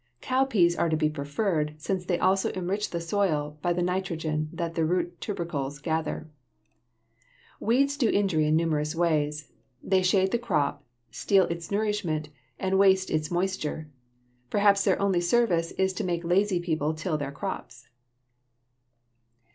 Cowpeas are to be preferred, since they also enrich the soil by the nitrogen that the root tubercles gather. [Illustration: FIG. 60. CANADA THISTLE] Weeds do injury in numerous ways; they shade the crop, steal its nourishment, and waste its moisture. Perhaps their only service is to make lazy people till their crops.